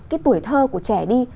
cái tuổi thơ của trẻ đi